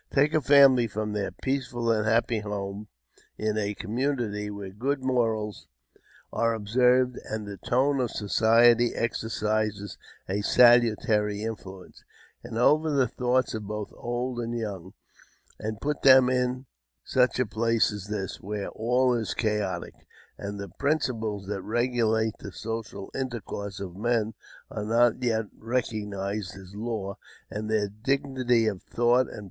Take a family from their peaceful and happy homes in a community where good morals are observed, and the tone of society exercises a salutary influence over the thoughts of both old and young, and put them in such a place as this, where all is chaotic, and the principles that regulate the social inter course of men are not yet recognized as law, and their dignity of thought and_2?